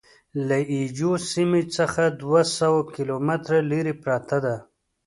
له اي جو سیمې څخه دوه سوه کیلومتره لرې پرته ده.